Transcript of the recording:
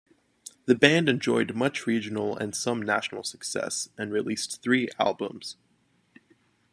The band enjoyed much regional and some national success, and released three albums.